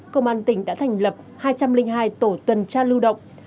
công an tỉnh đã thành lập hai trăm linh hai tổ tuần tra lưu động